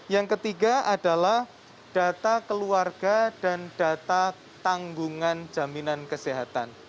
yang ketiga adalah data keluarga dan data tanggungan jaminan kesehatan